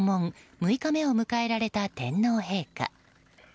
６日目を迎えられた天皇陛下。